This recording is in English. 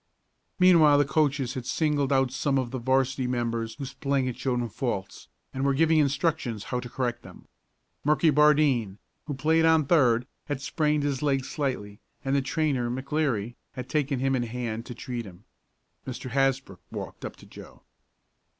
Meanwhile the coaches had singled out some of the 'varsity members whose playing had shown faults, and were giving instructions how to correct them. Merky Bardine, who played on third, had sprained his leg slightly, and the trainer, McLeary, had taken him in hand to treat him. Mr. Hasbrook walked up to Joe.